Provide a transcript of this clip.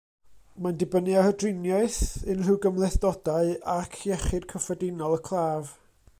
Mae'n dibynnu ar y driniaeth, unrhyw gymhlethdodau ac iechyd cyffredinol y claf.